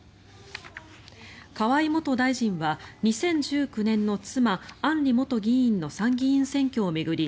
河井元大臣は２０１９年の妻・案里元議員の参議院選挙を巡り